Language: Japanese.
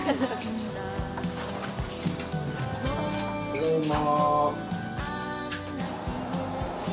ただいま。